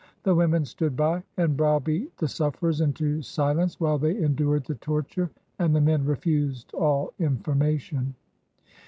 The women stood by and browbeat the sufferers into silence while they endured the torture, and the men refused all information.